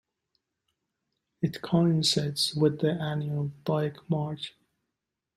It coincides with the annual Dyke March.